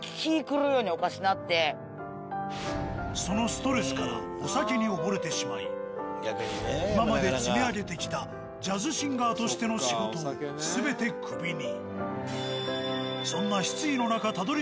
そのストレスからお酒に溺れてしまい今まで積み上げてきたジャズシンガーとしての仕事を全てクビに。